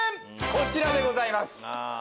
こちらでございます。